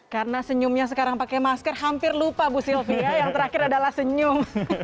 karena senyumnya sekarang pakai masker hampir lupa bu sylvi ya yang terakhir adalah senyum